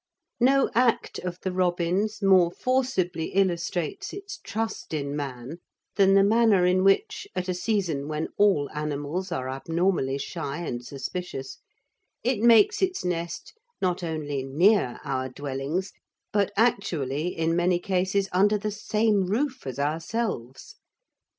No act of the robin's more forcibly illustrates its trust in man than the manner in which, at a season when all animals are abnormally shy and suspicious, it makes its nest not only near our dwellings, but actually in many cases under the same roof as ourselves.